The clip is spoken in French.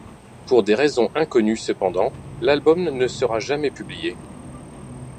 Pour des raisons inconnues, cependant, l'album ne sera jamais publié.